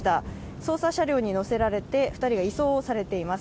捜査車両に乗せられて２人が移送されています。